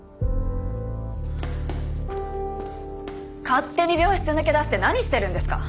勝手に病室抜け出して何してるんですか？